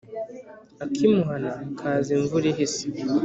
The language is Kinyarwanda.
akimuhana kaza imvura ihise